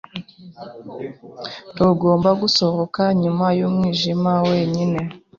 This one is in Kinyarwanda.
Ntugomba gusohoka nyuma y'umwijima wenyine.